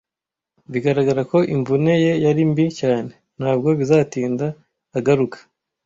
Bigaragara ko imvune ye yari mbi cyane. Ntabwo bizatinda agaruka.